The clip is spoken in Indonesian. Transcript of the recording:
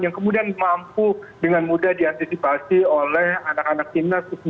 yang kemudian mampu dengan mudah diantisipasi oleh anak anak timnas u sembilan belas